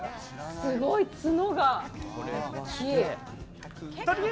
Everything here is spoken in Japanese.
すごい角が大きい！